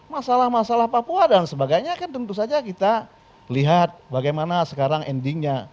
masalah masalah papua dan sebagainya kan tentu saja kita lihat bagaimana sekarang endingnya